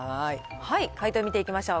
解答見ていきましょう。